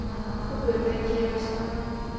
よく歌い切りました